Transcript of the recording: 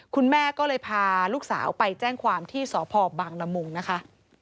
คุณแม่ก็เลยพาลูกสาวไปแจ้งความที่สพบังละมุงนะคะ